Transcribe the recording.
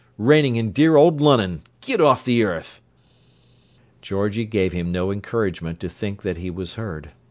Raining in dear ole Lunnon! Git off the earth!" Georgie gave him no encouragement to think that he was heard.